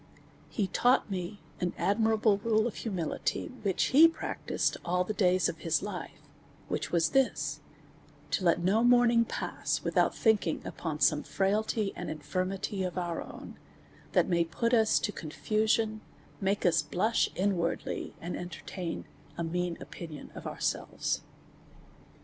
He taught me an admirable rule of humility, which he practised all the days of his life ; which was this : to let no morning pass without thinking upon some frailty and infirmity of our own, that may put us to confusion, make us blush inwardly, and entertain a mean opinion of ourselves.